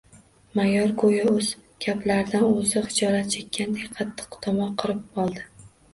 Mayor, go‘yo o‘z gaplaridan o‘zi xijolat chekkanday qattiq tomoq qirib oldi.